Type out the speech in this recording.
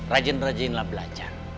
rajin rajin lah belajar